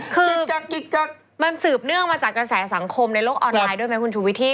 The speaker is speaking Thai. คือมันสืบเนื่องมาจากกระแสสังคมในโลกออนไลน์ด้วยไหมคุณชูวิทที่